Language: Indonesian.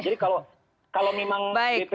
jadi kalau memang bpjphp pun